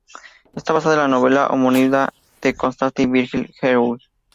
Está basada en la novela homónima de Constantin Virgil Gheorghiu.